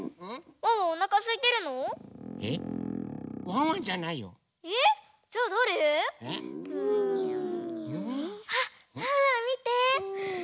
うん？あっワンワンみて！